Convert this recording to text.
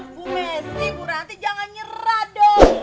bu messi bu ranti jangan nyerah dong